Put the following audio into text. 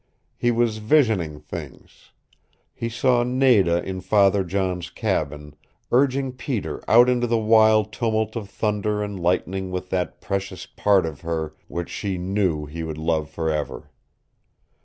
He was visioning things. He saw Nada in Father John's cabin, urging Peter out into the wild tumult of thunder and lightning with that precious part of her which she knew he would love forever.